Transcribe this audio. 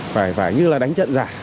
phải như là đánh trận giả